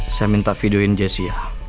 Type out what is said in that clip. boss saya minta videoin jessy ya